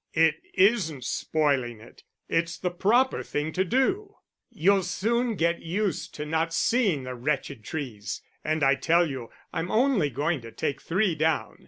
"It isn't spoiling it. It's the proper thing to do. You'll soon get used to not seeing the wretched trees and I tell you I'm only going to take three down.